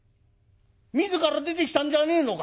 自ら出てきたんじゃねえのか。